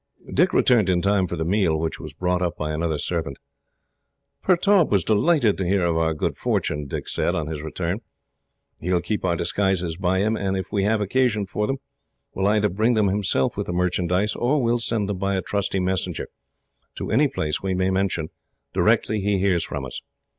Dick returned in time for the meal, which was brought up by another servant. "Pertaub was delighted to hear of our good fortune," he said, on his return. "He will keep our disguises by him, and if we have occasion for them, will either bring them himself with the merchandise, or will send them by a trusty messenger, to any place we may mention, directly he hears from us.